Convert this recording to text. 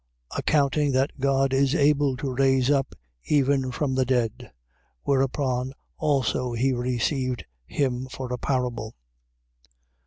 Accounting that God is able to raise up even from the dead. Whereupon also he received him for a parable.